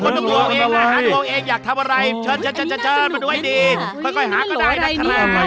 คนขี้เกียจอาหารว่ากรมของคุณนั้นพร้อมแล้ว